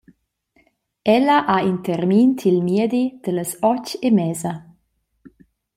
Ella ha in termin tiel miedi dallas otg e mesa.